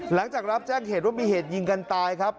หลังจากรับแจ้งเหตุว่ามีเหตุยิงกันตายครับ